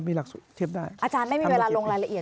มีหลักสูตรเทียบได้อาจารย์ไม่มีเวลาลงรายละเอียด